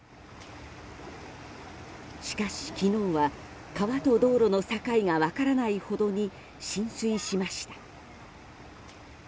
しかし昨日は川と道路の境が分からないほどに浸水しました。